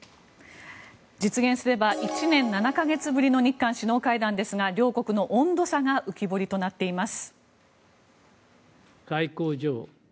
実現すれば１年７か月ぶりの日韓首脳会談ですが両国の温度差が浮き彫りとなっています。